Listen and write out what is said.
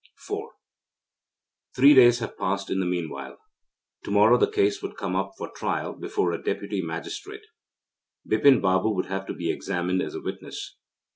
IV Three days have passed in the meanwhile. To morrow the case would come up for trial before a Deputy Magistrate. Bipin Babu would have to be examined as a witness.